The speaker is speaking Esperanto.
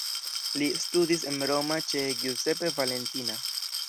Li studis en Roma ĉe Giuseppe Valentina.